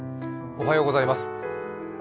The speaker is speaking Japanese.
おはようございます。